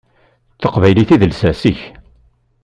D taqbaylit i d lsas-ik.